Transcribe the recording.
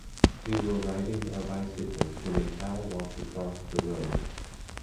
We were riding our bicycles when a cow walked across the road.